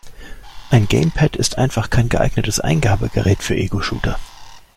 Ein Gamepad ist einfach kein geeignetes Eingabegerät für Egoshooter.